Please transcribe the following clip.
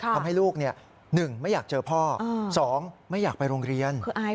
ทำให้ลูก๑ไม่อยากเจอพ่อ๒ไม่อยากไปโรงเรียน